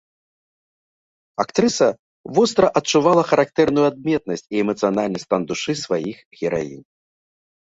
Актрыса востра адчувала характарную адметнасць і эмацыянальны стан душы сваіх гераінь.